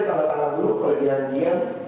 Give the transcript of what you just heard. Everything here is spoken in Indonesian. kalau anak buruk kelebihan dia